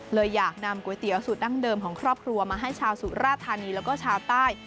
เลยอยากนำก๋วยเตี๋ยวสูตรดั้งเดิมของครอบครัวมาให้ชาวสุราธานีแล้วก็ชาวใต้